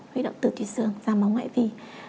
huy động từ tùy xương ra máu ngoại vi